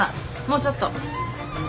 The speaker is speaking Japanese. もうちょっと！